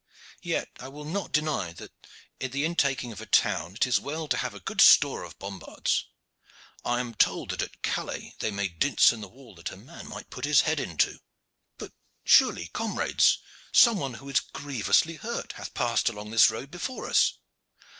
Yet I will not deny that at the intaking of a town it is well to have good store of bombards. I am told that at Calais they made dints in the wall that a man might put his head into. But surely, comrades, some one who is grievously hurt hath passed along this road before us."